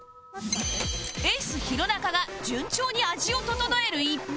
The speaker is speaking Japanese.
エース弘中が順調に味を調える一方